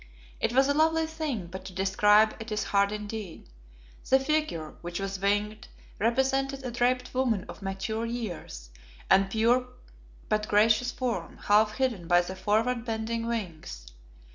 It was a lovely thing, but to describe it is hard indeed. The figure, which was winged, represented a draped woman of mature years, and pure but gracious form, half hidden by the forward bending wings.